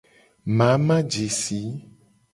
Mamajesi.